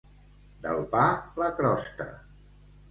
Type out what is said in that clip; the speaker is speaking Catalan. Del pa, la crosta.